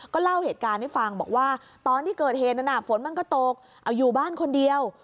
เล่าเหตุการณ์ให้ฟังบอกว่าตอนที่เกิดเหตุนั้นฝนมันก็ตกเอาอยู่บ้านคนเดียว